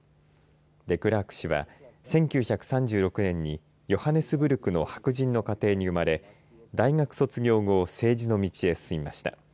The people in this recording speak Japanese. デクラーク氏は１９３６年にヨハネスブルクの白人の家庭に生まれ大学卒業後政治の道へ進みました。